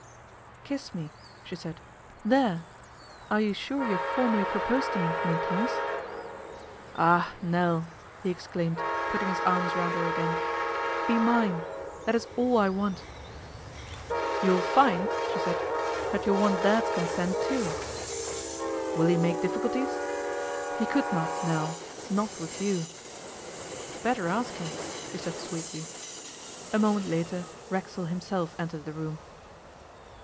'Kiss me,' she said. 'There! Are you sure you've formally proposed to me, mon prince?' 'Ah! Nell!' he exclaimed, putting his arms round her again. 'Be mine! That is all I want!' 'You'll find,' she said, 'that you'll want Dad's consent too!' 'Will he make difficulties? He could not, Nell not with you!' 'Better ask him,' she said sweetly. A moment later Racksole himself entered the room.